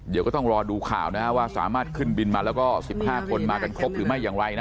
เดี๋ยวก็ต้องรอดูข่าวนะฮะว่าสามารถขึ้นบินมาแล้วก็๑๕คนมากันครบหรือไม่อย่างไรนะ